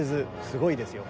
すごいですよ